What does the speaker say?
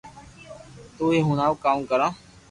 تو ئي ھڻاو ڪاو ڪرو